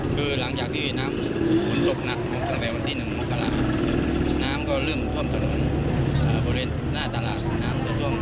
เธอได้ยอดให้กลับน่าเยอะมากกว่าอยู่ในบ้านที่สมมติน้ำผู้ขัด